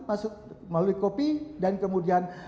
melalui kopi dan kemudian